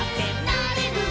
「なれる」